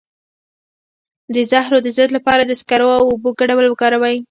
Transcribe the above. د زهرو د ضد لپاره د سکرو او اوبو ګډول وکاروئ